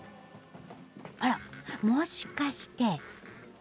あらもしかして教会だ。